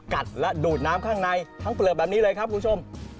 กัดและดูดน้ำข้างในทั้งเปลือกแบบนี้เลยครับคุณผู้ชม